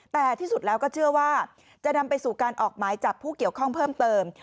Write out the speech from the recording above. แต่ที่สุดแล้วก็เชื่อว่าจะนำไปสู่การออกหมายจับผู้เกี่ยวข้องเพิ่มเติม